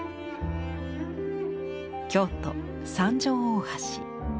京都三条大橋。